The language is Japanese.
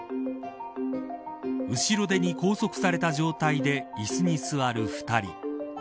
後ろ手に拘束された状態で椅子に座る２人。